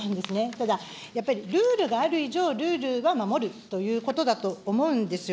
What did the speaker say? ただ、やっぱりルールがある以上、ルールを守るということだと思うんですよ。